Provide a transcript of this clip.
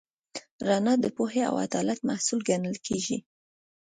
رڼا د پوهې او عدالت محصول ګڼل کېږي.